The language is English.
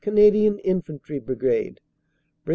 Canadian Infantry Brigade, Brig.